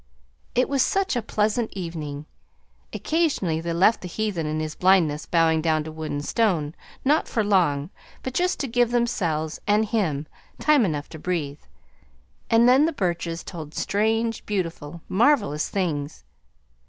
It was such a pleasant evening! Occasionally they left the heathen in his blindness bowing down to wood and stone, not for long, but just to give themselves (and him) time enough to breathe, and then the Burches told strange, beautiful, marvelous things.